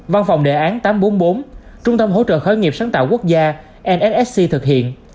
văn phòng đề án tám trăm bốn mươi bốn trung tâm hỗ trợ khởi nghiệp sáng tạo quốc gia thực hiện